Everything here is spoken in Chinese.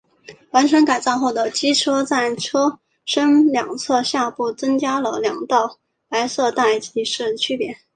完成改造后的机车在车身两侧下部增加了两道白色带以示区别。